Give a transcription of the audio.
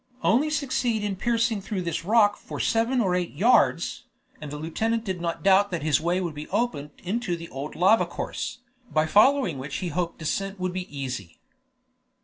Only succeed in piercing through this rock for seven or eight yards, and the lieutenant did not doubt that his way would be opened into the old lava course, by following which he hoped descent would be easy.